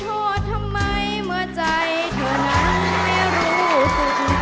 ขอโทษทำไมเมื่อใจเธอนั้นไม่รู้สึกผิด